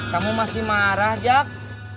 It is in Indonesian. kamu masih marah jak